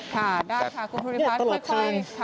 ค่ะได้ค่ะคุณธุรกิจภาพค่อยค่ะ